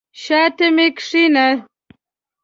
شاته مي کښېنه !